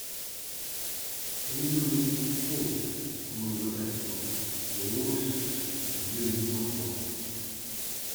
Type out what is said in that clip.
Elle est nommée Ós en anglo-saxon et Óss en vieux norrois.